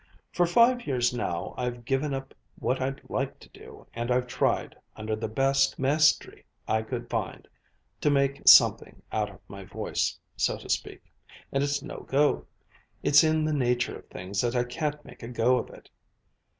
For five years now I've given up what I'd like to do, and I've tried, under the best maestri I could find, to make something out of my voice, so to speak. And it's no go. It's in the nature of things that I can't make a go of it.